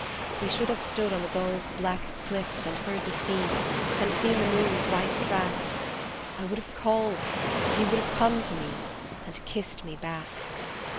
We should have stood on the gulls' black cliffs and heard the sea And seen the moon's white track, I would have called, you would have come to me And kissed me back.